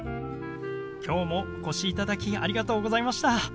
今日もお越しいただきありがとうございました。